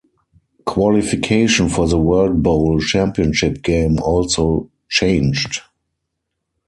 Qualification for the World Bowl championship game also changed.